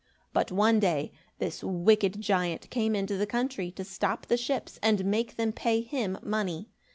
But one day, this wicked giant came into the country to stop the ships and make them pay him money.